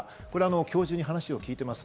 教授に話を聞いています。